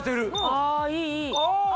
あいいいい！